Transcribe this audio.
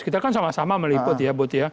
kita kan sama sama meliput ya bu tia